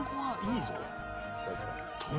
いただきます。